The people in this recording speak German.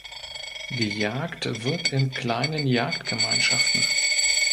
Gejagt wird in kleinen Jagdgemeinschaften.